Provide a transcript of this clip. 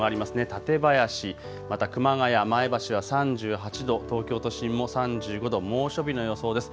館林、また熊谷、前橋は３８度、東京都心も３５度、猛暑日の予想です。